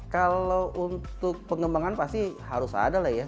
kalau untuk pengembangan pasti harus ada lah ya